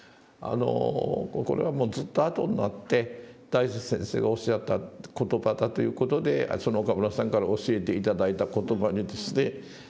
これはもうずっと後になって大拙先生がおっしゃった言葉だという事で岡村さんから教えて頂いた言葉にですね